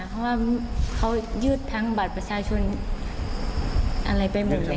เพราะว่าเขายืดทั้งบัตรประชาชนอะไรไปหมดเลย